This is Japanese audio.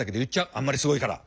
あんまりすごいから！